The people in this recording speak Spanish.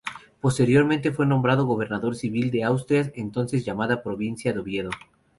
Posteriormente fue nombrado gobernador civil de Asturias, entonces llamada provincia de Oviedo.